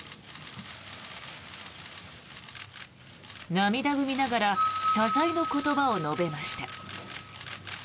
涙ぐみながら謝罪の言葉を述べました。